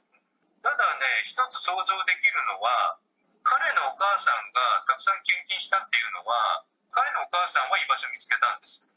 ただね、一つ想像できるのは、彼のお母さんがたくさん献金したっていうのは、彼のお母さんは居場所見つけたんです。